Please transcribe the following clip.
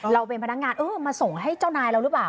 เราเป็นพนักงานเออมาส่งให้เจ้านายเราหรือเปล่า